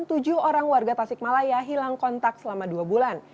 tujuh orang warga tasikmalaya hilang kontak selama dua bulan